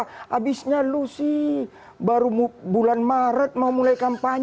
habisnya lu sih baru bulan maret mau mulai kampanye